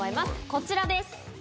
こちらです。